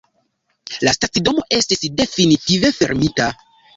La stacidomo estis definitive fermita.